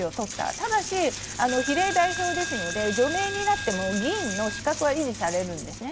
ただし比例代表ですので除名になっても議員の資格は維持されるんですね。